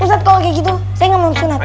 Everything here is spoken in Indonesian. ustadz kalau kayak gitu saya gak mau disunat